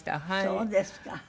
そうですか。